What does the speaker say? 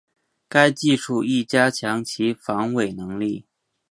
该技术亦加强其防伪能力。